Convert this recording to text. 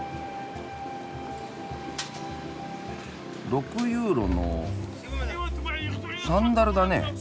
６ユーロのサンダルだね。